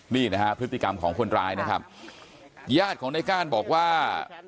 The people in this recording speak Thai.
นี่นะฮะพฤติกรรมของคนร้ายนะครับญาติของในก้านบอกว่า